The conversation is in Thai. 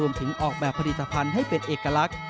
ออกแบบผลิตภัณฑ์ให้เป็นเอกลักษณ์